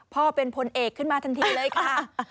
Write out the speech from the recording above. พ่อเป็นพลเอกขึ้นมาทันทีเลยค่ะ